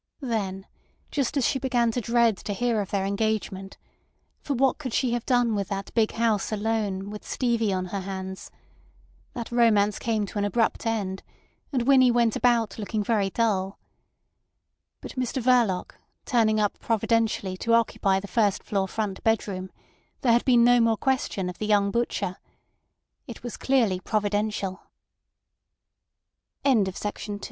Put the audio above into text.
Then just as she began to dread to hear of their engagement (for what could she have done with that big house alone, with Stevie on her hands), that romance came to an abrupt end, and Winnie went about looking very dull. But Mr Verloc, turning up providentially to occupy the first floor front bedroom, there had been no more question of the young butcher. It was clearly providential. CHAPTER III "... All idealisation makes life poorer.